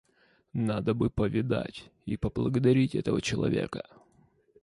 Надо бы повидать и поблагодарить этого человека».